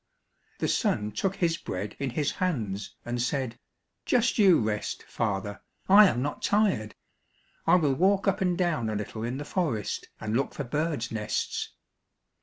The son took his bread in his hands, and said, "Just you rest, father, I am not tired; I will walk up and down a little in the forest, and look for birds' nests."